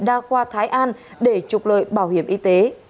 đa khoa thái an để trục lợi bảo hiểm y tế